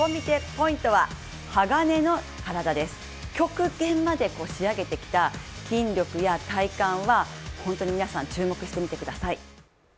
極限まで仕上げてきた筋力や体幹は本当に皆さん、注目して見てください。